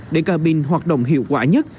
để cabin hoạt động hiệu quả nhất